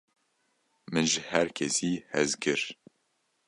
min ji herkesî hez kir